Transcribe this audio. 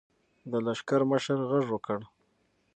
د لښکر مشر غږ وکړ.